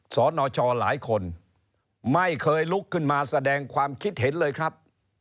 สนชหลายคนไม่เคยลุกขึ้นมาแสดงความคิดเห็นเลยครับ